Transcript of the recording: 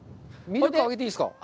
ミルクあげていいですか？